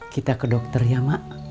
kita ke dokter ya mak